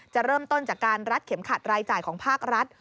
จะเริ่มต้นจากการรัดเข็มขัดรายจ่ายของภาครัฐ